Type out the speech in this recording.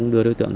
đưa đối tượng